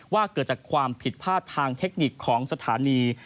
ว่าเกิดจากความผิดพลาดทางเทคนิคของสถานี